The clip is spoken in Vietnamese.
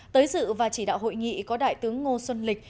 tới dự và chỉ đạo hội nghị có đại tướng ngô xuân lịch